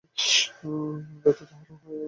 ব্যথা তাহা হইলে কমিয়াছিল?